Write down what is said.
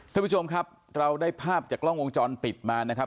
ท่านผู้ชมครับเราได้ภาพจากกล้องวงจรปิดมานะครับ